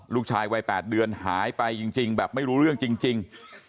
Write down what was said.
ลูกชายวัย๘เดือนหายไปจริงแบบไม่รู้เรื่องจริง